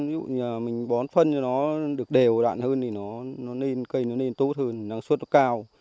ví dụ như mình bón phân cho nó được đều đạn hơn thì nó nên cây nó lên tốt hơn năng suất nó cao